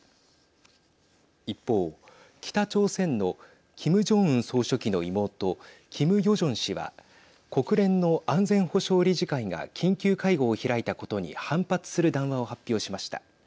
一方、北朝鮮のキム・ジョンウン総書記の妹キム・ヨジョン氏は国連の安全保障理事会が緊急会合を開いたことに反発する談話を発表しました。